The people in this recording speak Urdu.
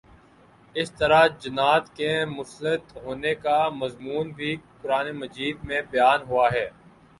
اسی طرح جنات کے مسلط ہونے کا مضمون بھی قرآنِ مجید میں بیان ہوا ہے